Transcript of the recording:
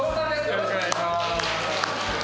よろしくお願いします。